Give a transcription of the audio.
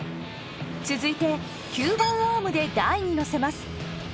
続いて吸盤アームで台にのせます。